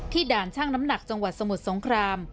ด่านช่างน้ำหนักจังหวัดสมุทรสงคราม